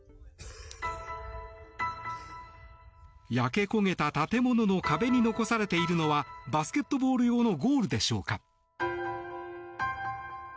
焼け焦げた建物の壁に残されているのはバスケットボール用のゴールでしょうか。